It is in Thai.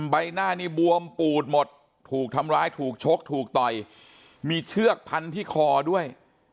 ใบหน้านี่บวมปูดหมดถูกทำร้ายถูกชกถูกต่อยมีเชือกพันที่คอด้วย